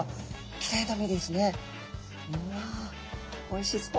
きれいな身ですね。